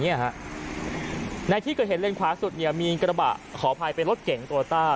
เนี้ยฮะในที่เกิดเห็นเลนค์ขาดสุดเนี้ยมีกระบะขอภัยเป็นรถเก๋งตัวต้า